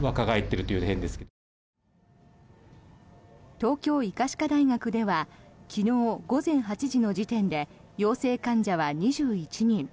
東京医科歯科大学では昨日午前８時の時点で陽性患者は２１人。